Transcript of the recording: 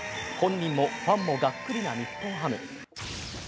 本人もファンもがっくりな日本ハム。